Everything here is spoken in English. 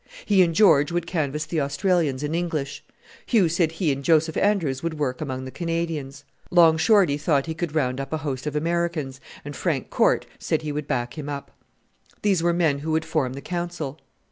He and George would canvass the Australians and English. Hugh said he and Joseph Andrews would work among the Canadians. Long Shorty thought he could round up a host of Americans, and Frank Corte said he would back him up. These were men who would form the council.